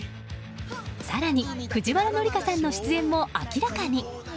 更に藤原紀香さんの出演も明らかに。